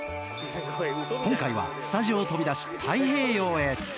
今回はスタジオを飛び出し太平洋へ。